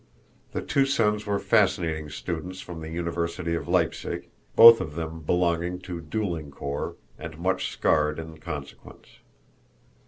The two sons were fascinating students from the University of Leipsic, both of them belonging to dueling corps, and much scarred in consequence.